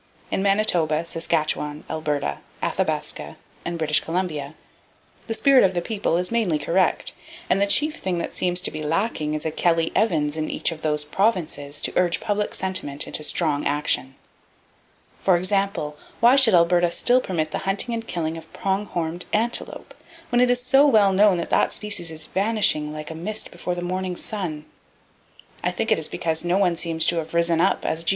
In Manitoba, Saskatchewan, Alberta, Athabasca and British Columbia, the spirit of the people is mainly correct, and the chief thing that seems to be lacking is a Kelly Evans in each of those provinces to urge public sentiment into strong action. For example, why should Alberta still permit the hunting and killing of prong horned antelope, when it is so well known that that species is vanishing like a mist before the morning sun? I think it is because no one seems to have risen up as G.